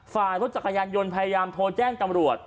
ฝ่ายรถจักรยานยนต์พยายามโทรแจ้งตำรวจ